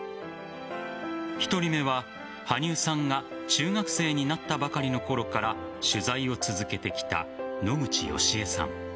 １人目は羽生さんが中学生になったばかりのころから取材を続けてきた野口美恵さん。